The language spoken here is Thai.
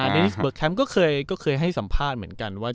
นิสเบิกแคมป์ก็เคยให้สัมภาษณ์เหมือนกันว่า